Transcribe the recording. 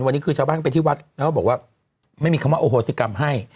วันนี้คือชาวบ้านไปที่วัดแล้วก็บอกว่าไม่มีคำว่าโอโหสิกรรมให้